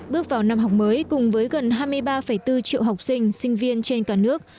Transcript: bước vào năm học mới cùng với gần hai mươi ba bốn triệu học sinh sinh viên trên cả nước